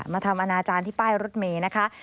ทำอนาจารย์ที่ป้ายรถเมย์นะคะ